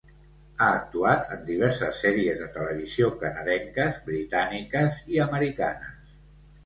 Ha actuat en diverses sèries de televisió canadenques, britàniques, i americanes.